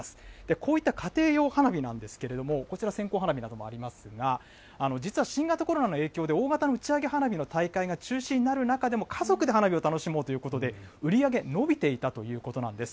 こういった家庭用花火なんですけれども、こちら線香花火などもありますが、実は新型コロナの影響で大型の打ち上げ花火の大会が中止になる中でも、家族で花火を楽しもうということで売り上げ伸びていたということなんです。